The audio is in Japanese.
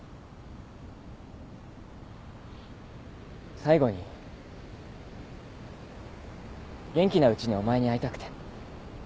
最後に元気なうちにお前に会いたくて。